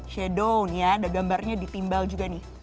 shadow nih ya ada gambarnya ditimbal juga nih